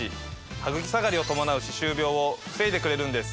ハグキ下がりを伴う歯周病を防いでくれるんです。